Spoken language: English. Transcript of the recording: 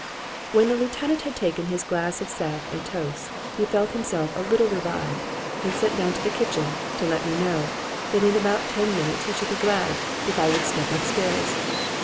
_ When the lieutenant had taken his glass of sack and toast, he felt himself a little revived, and sent down into the kitchen, to let me know, that in about ten minutes he should be glad if I would step up stairs.